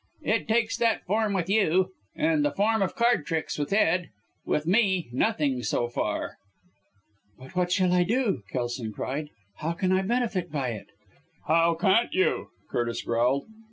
It takes that form with you, and the form of card tricks with Ed with me nothing so far." "But what shall I do?" Kelson cried. "How can I benefit by it?" "How can't you?" Curtis growled.